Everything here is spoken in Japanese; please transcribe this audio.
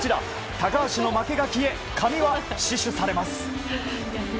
高橋の負けが消え髪は死守されます。